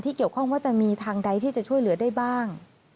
เกี่ยวข้องว่าจะมีทางใดที่จะช่วยเหลือได้บ้าง